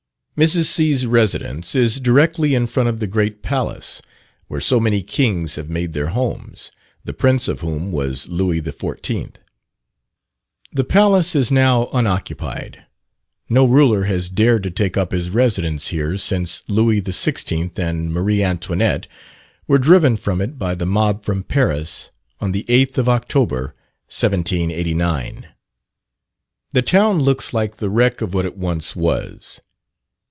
Mrs. C 's residence is directly in front of the great palace where so many kings have made their homes, the prince of whom was Louis XIV. The palace is now unoccupied. No ruler has dared to take up his residence here since Louis XVI. and Marie Antoinette were driven from it by the mob from Paris on the 8th of October, 1789. The town looks like the wreck of what it once was.